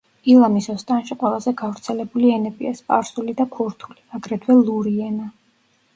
ილამის ოსტანში ყველაზე გავრცელებული ენებია: სპარსული და ქურთული, აგრეთვე ლური ენა.